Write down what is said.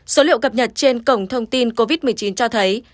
số liệu cập nhật trên cổng thông tin covid một mươi chín cho thấy